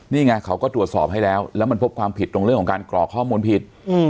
นี่ไงเขาก็ตรวจสอบให้แล้วแล้วมันพบความผิดตรงเรื่องของการกรอกข้อมูลผิด